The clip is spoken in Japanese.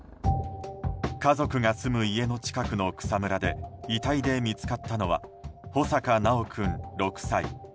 家族が住む家の近くの草むらで遺体で見つかったのは穂坂修君、６歳。